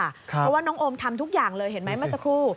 เพราะว่าน้องโอมทำทุกอย่างเลยเห็นไหมเมื่อสักครู่